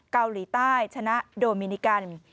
เกาหลีใต้ชนะโดมินิกัน